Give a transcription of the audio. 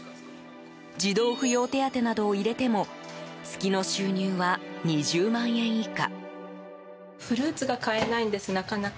児童扶養手当などを入れても月の収入は２０万円以下。